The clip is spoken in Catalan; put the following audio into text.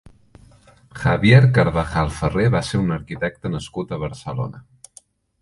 Javier Carvajal Ferrer va ser un arquitecte nascut a Barcelona.